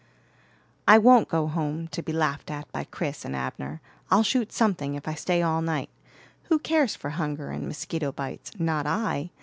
"I won't go home, to be laughed at by Chris and Abner. I'll shoot something, if I stay all night. Who cares for hunger and mosquito bites? Not I.